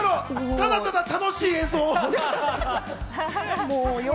ただただ楽しい映像。